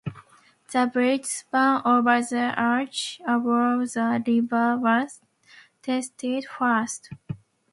The bridge span over the arch above the river was tested first.